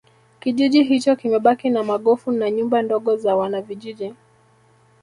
Kijiji hicho kimebaki na magofu na nyumba ndogo za wanavijiji